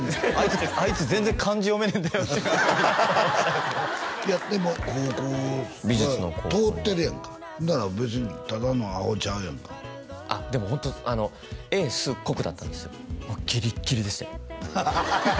あいつ全然漢字読めねえんだよっていやでも高校美術の高校通ってるやんかなら別にただのアホちゃうやんかあっでもホントあの英・数・国だったんですよもうギリッギリでしたよハハハ